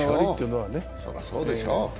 そりゃそうでしょう。